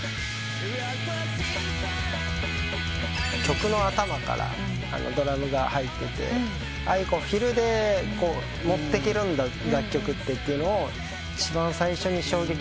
曲の頭からドラムが入ってて「フィルで持ってけるんだ楽曲って」というのを一番最初に衝撃受けたかも。